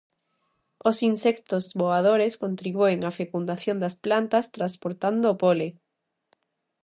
Os insectos voadores contribúen á fecundación das plantas transportando o pole.